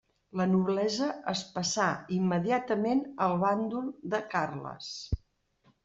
La noblesa es passà immediatament al bàndol de Carles.